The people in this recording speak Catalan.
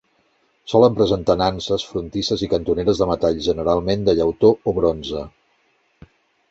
Solen presentar nanses, frontisses i cantoneres de metall generalment de llautó o bronze.